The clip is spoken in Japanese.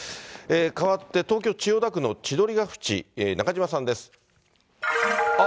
かわって東京・千代田区の千鳥ヶ淵、中島さんです。